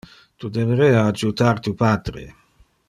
Tu deberea adjutar tu patre.